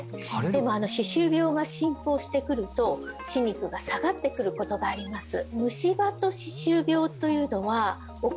でも歯周病が進行してくると歯肉が下がってくることがあります